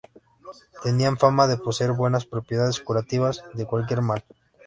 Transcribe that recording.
Tenía fama de poseer buenas propiedades curativas de cualquier mal.